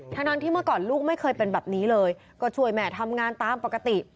ทั้งที่เมื่อก่อนลูกไม่เคยเป็นแบบนี้เลยก็ช่วยแม่ทำงานตามปกติ